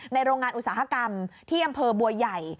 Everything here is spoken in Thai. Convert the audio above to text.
ในโรงงานอุตสาหกรรมที่อำเภิ์บันตร์บัวใหญ่